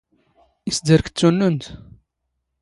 ⵉⵙ ⴷⴰⵔⴽ ⴷ ⵜⵓⵏⵏⵓⵏⵜ?